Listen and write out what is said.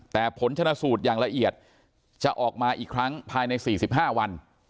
แต่ผลชนะสูตรอย่างละเอียดจะออกมาอีกครั้งภายใน๔๕วัน